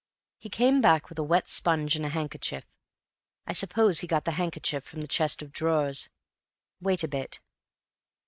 He came back with a wet sponge and a handkerchief. I suppose he got the handkerchief from the chest of drawers. Wait a bit."